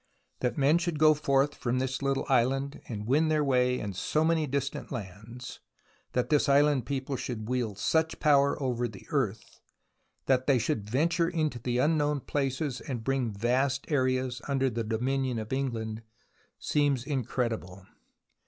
That men should go forth from this little island and win their way in so many distant lands, that this island people should wield such power over the earth, that they should venture into the unknown places and bring vast areas under the dominion of England, seems in credible.